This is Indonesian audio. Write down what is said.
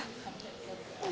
tidak ada tangan apa itu besar